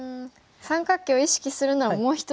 三角形を意識するならもう１つ。